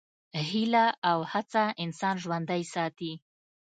هیله او هڅه انسان ژوندی ساتي.